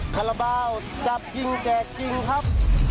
คาราบาลจับจริงแจกจริงครับ